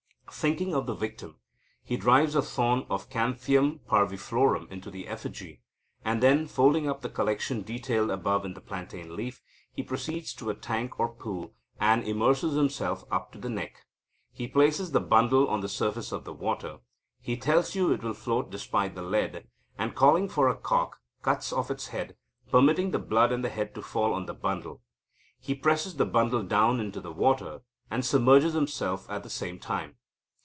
Thinking of the victim, he drives a thorn of Canthium parviflorum into the effigy, and then, folding up the collection detailed above in the plantain leaf, he proceeds to a tank or pool, and immerses himself up to the neck. He places the bundle on the surface of the water he tells you it will float despite the lead and, calling for a cock, cuts off its head, permitting the blood and the head to fall on the bundle. He presses the bundle down into the water, and submerges himself at the same time.